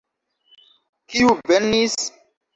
Kiu venis?